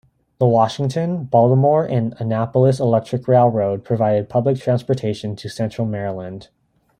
The Washington, Baltimore and Annapolis Electric Railroad provided public transportation to central Maryland.